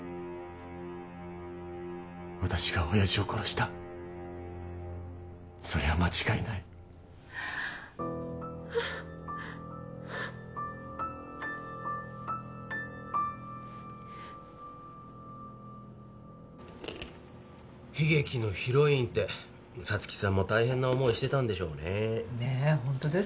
私が親父を殺したそれは間違いない悲劇のヒロインって皐月さんも大変な思いしてたんでしょうね